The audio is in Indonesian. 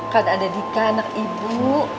kan ada dika anak ibu